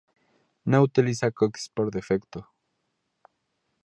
No utiliza cookies por defecto.